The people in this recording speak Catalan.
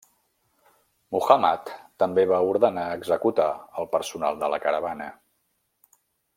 Muhammad també va ordenar executar el personal de la caravana.